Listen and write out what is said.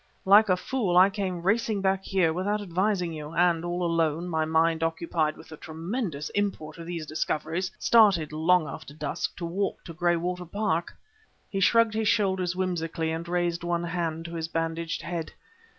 Like a fool I came racing back here without advising you; and, all alone, my mind occupied with the tremendous import of these discoveries, started, long after dusk, to walk to Graywater Park." He shrugged his shoulders whimsically, and raised one hand to his bandaged head.